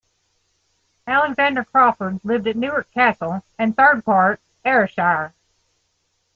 Alexander Craufurd lived at Newark Castle, and Thirdpart, Ayrshire.